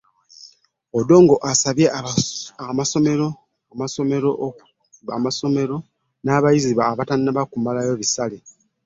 Odongo asabye abakulira amasomero okukkiriza abayizi bonna n'abatannaba kumalayo bisale bya ssomero